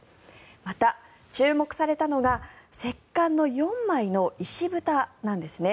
また、注目されたのが石棺の４枚の石ぶたなんですね。